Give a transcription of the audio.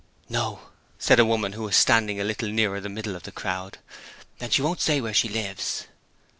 'No,' said a woman who was standing a little nearer the middle of the crowd. 'And she won't say where she lives.'